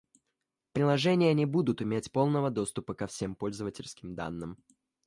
Приложения не будут иметь полного доступа ко всем пользовательским данным